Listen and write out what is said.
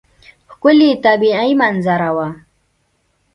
ښکلې طبیعي منظره وه.